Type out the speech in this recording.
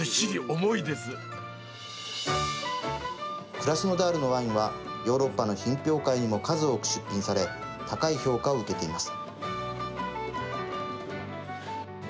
クラスノダールのワインはヨーロッパの品評会にも数多く出品され高い評価を受けています。